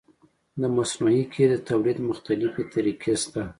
د مصنوعي قیر د تولید مختلفې طریقې شته